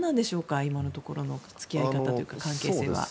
今のところの付き合い方というか関係性は。